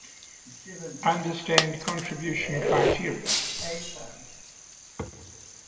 I knew that I had to share my experience with others.